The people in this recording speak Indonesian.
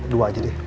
dua aja deh